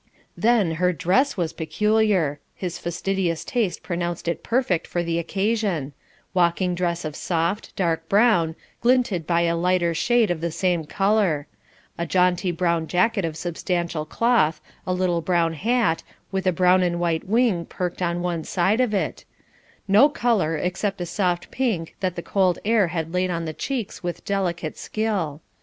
Then her dress was peculiar; his fastidious taste pronounced it perfect for the occasion: walking dress of soft, dark brown, glinted by a lighter shade of the same colour; a jaunty brown jacket of substantial cloth, a little brown hat, with a brown and white wing perked on one side of it; no colour, except a soft pink that the cold air had laid on the cheeks with delicate skill.